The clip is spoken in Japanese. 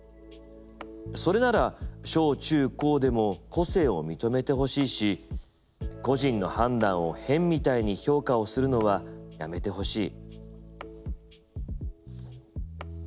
それなら小中高でも個性を認めてほしいし個人の判断を変みたいに評価をするのはやめてほしい」。